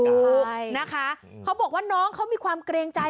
ถูกนะคะเขาบอกว่าน้องเขามีความเกรงใจ